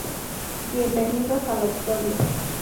Bienvenidos a la Historia.